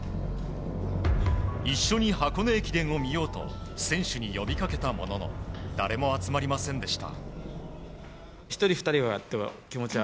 一緒に箱根駅伝を見ようと選手に呼びかけたものの誰も集まりませんでした。